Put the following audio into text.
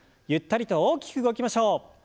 ゆったりと大きく動きましょう。